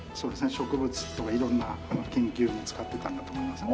植物とか色んな研究に使ってたんだと思いますね。